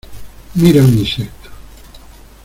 Mira un insecto